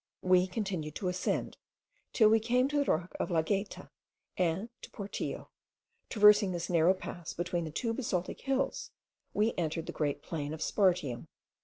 We continued to ascend, till we came to the rock of La Gayta and to Portillo: traversing this narrow pass between two basaltic hills, we entered the great plain of Spartium.